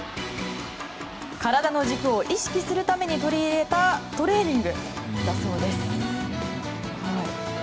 体の軸を意識するために取り入れたトレーニングだそうです。